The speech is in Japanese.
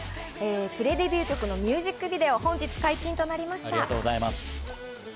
プレデビュー曲のミュージックビデオが本日解禁となりました。